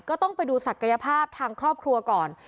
ก็ต้องไปดูศักยภาพทางครอบครัวก่อน